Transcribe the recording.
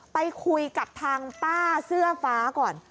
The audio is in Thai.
ไปคุยกับทางป้าเสื้อฟ้าก่อน